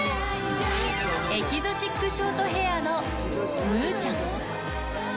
エキゾチックショートヘアのむぅちゃん。